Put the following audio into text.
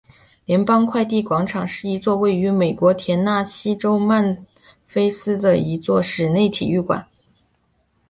联邦快递广场是一座位于美国田纳西州曼菲斯的一座室内体育馆。